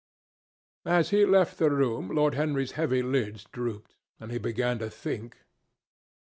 As he left the room, Lord Henry's heavy eyelids drooped, and he began to think.